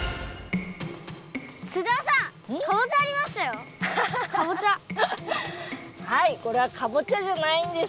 津田さんはいこれはかぼちゃじゃないんです。